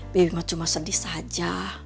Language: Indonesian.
bibi mah cuma sedih saja